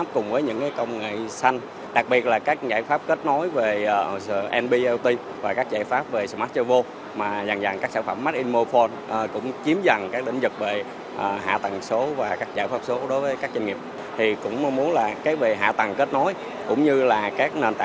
cùng với các đơn vị thực hiện nhanh